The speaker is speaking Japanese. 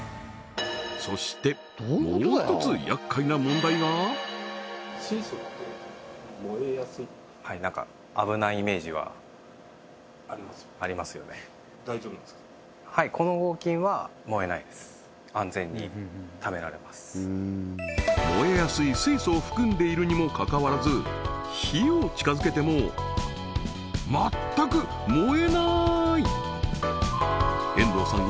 そしてもう一つ厄介な問題が燃えやすい水素を含んでいるにもかかわらず火を近づけても全く燃えない遠藤さん